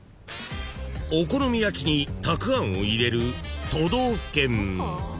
［お好み焼きにたくあんを入れる都道府県］